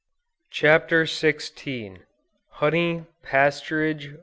_ CHAPTER XVI. HONEY. PASTURAGE.